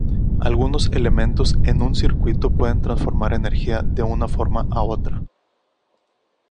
Algunos elementos en un circuito pueden transformar energía de una forma a otra.